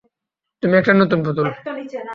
তুমি একটা নতুন পুতুল।